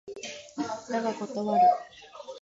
だが断る